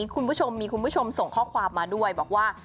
คุณผู้ชมมีคุณผู้ชมส่งข้อความมาด้วยบอกว่า